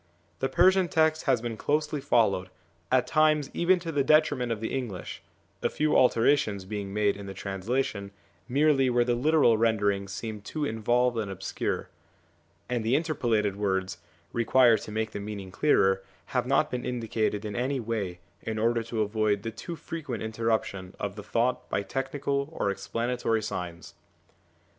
The Persian text has been closely followed, at times even to the detriment of the English, a few alterations being made in the translation merely where the literal rendering seemed too involved and obscure ; and the interpolated words, required to make the meaning clearer, have not been indicated in any way in order to avoid the too frequent interruption of the thought by technical or explanatory signs.